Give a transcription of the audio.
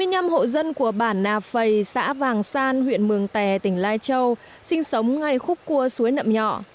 hai mươi năm hộ dân của bản nà phầy xã vàng san huyện mường tè tỉnh lai châu sinh sống ngay khúc cua suối nậm nhọ